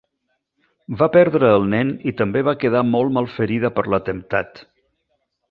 Va perdre el nen i també va quedar molt malferida per l'atemptat.